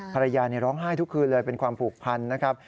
ภรรยาร้องไห้ทุกคืนเลยเป็นความผูกพันนะครับ